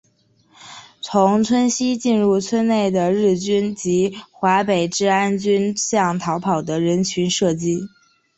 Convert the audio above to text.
从村西进入村内的日军及华北治安军向逃跑的人群射击。